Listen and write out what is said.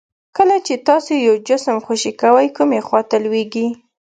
کله چې تاسو یو جسم خوشې کوئ کومې خواته لویږي؟